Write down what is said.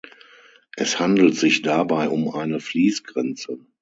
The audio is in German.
Es handelt sich dabei um eine Fließgrenze.